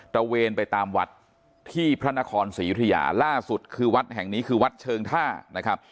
ระเวนไปตามวัดที่พระนครศรียุธยาล่าสุดคือวัดแห่งนี้คือวัดเชิงท่านะครับ